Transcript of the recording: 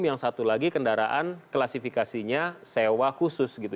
yang satu lagi kendaraan klasifikasinya sewa khusus gitu